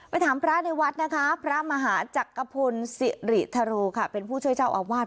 ไปถามพระในวัดพระมหาจักรพลศรีธรูเป็นผู้ช่วยเจ้าอาวาส